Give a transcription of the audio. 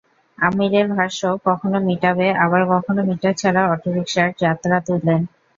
আমীরের ভাষ্য, কখনো মিটারে, আবার কখনো মিটার ছাড়া অটোরিকশায় যাত্রী তোলেন।